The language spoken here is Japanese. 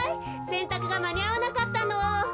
せんたくがまにあわなかったの。